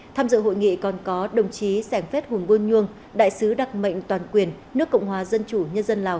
tham dự hội nghị còn có đồng chí sẻng phết hùng vương nhuông đại sứ đặc mệnh toàn quyền nước cộng hòa dân chủ nhân dân lào